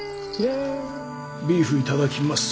ビーフいただきます！